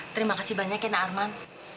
terima kasih banyak yana arman